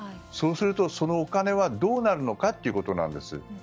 そうすると、そのお金はどうなるのかということなんです。